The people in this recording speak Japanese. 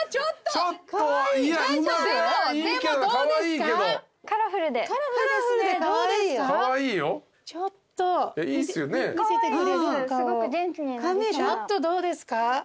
ちょっとどうですか？